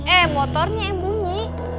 ehh motornya eh bunyi